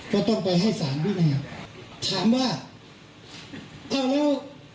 ก็ต้องไปให้ศาลพินิษฐ์ถามว่าเอาแล้ว